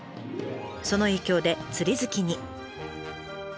その影響で釣り好きに。